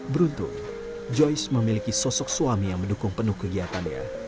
beruntung joyce memiliki sosok suami yang mendukung penuh kegiatannya